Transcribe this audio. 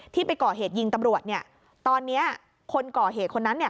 ไปก่อเหตุยิงตำรวจเนี่ยตอนเนี้ยคนก่อเหตุคนนั้นเนี่ย